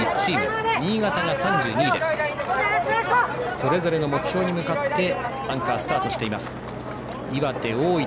それぞれの目標に向かってアンカーがスタートしています。